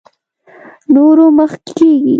نورو مخکې کېږي.